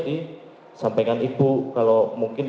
disampaikan ibu kalau mungkin